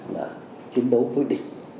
là chiến đấu với địch